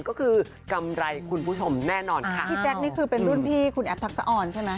ก็คือกำไรคุณผู้ชมแน่นอนค่ะพี่แจ๊คนี่คือเป็นรุ่นพี่คุณแอฟทักษะออนใช่ไหม